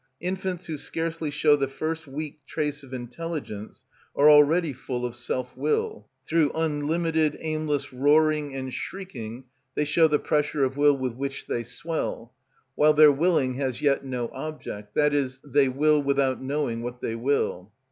Infants who scarcely show the first weak trace of intelligence are already full of self will: through unlimited, aimless roaring and shrieking they show the pressure of will with which they swell, while their willing has yet no object, i.e., they will without knowing what they will.